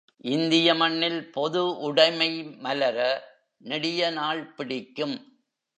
இந்திய மண்ணில் பொது உடைமை மலர நெடிய நாள் பிடிக்கும்.